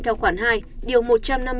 theo khoản hai điều một trăm năm mươi năm